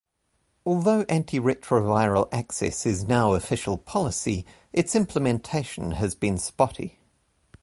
Although antiretroviral access is now official policy, its implementation has been spotty.